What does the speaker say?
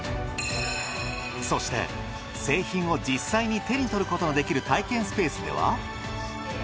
そして製品を実際に手に取ることのできる体験スペースでは。